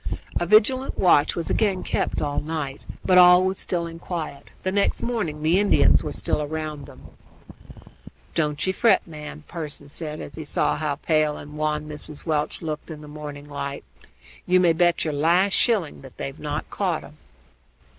A vigilant watch was again kept up all night, but all was still and quiet. The next morning the Indians were still round them. "Don't ye fret, ma'am!" Pearson said, as he saw how pale and wan Mrs. Welch looked in the morning light. "You may bet your last shilling that they're not caught 'em."